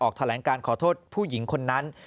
แถลงการขอโทษผู้หญิงคนนั้น